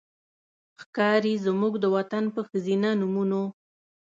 ښکاري زموږ د وطن په ښځېنه نومونو